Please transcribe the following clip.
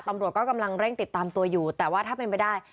ตำรวจก็กำลังเร่งติดตามตัวอยู่แต่ว่าถ้าเป็นไปได้